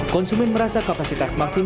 konsumen merasa kapasitas maksimum